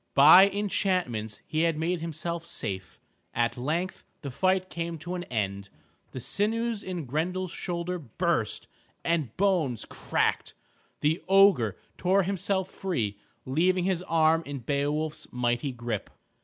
By enchantments he had made himself safe. At length the fight came to an end. The sinews in Grendel's shoulder burst, the bones cracked. The ogre tore himself free, leaving his arm in Beowulf's mighty grip.